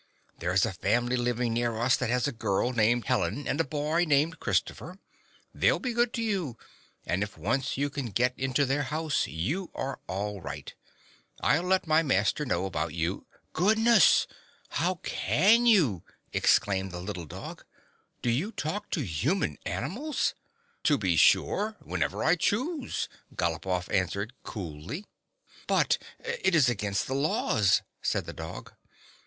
There is a family living near us that has a girl named Helen and a boy named Christopher. They 'll be good to you, and if once you can get into their house you are all right. I 'll let my mas ter know about you —"" Goodness ! How can you ?" exclaimed the little dog. " Do you talk to human animals ?" "To be sure, whenever I choose," Galopoff answered, coolly. " But it is against the laws," said the dog.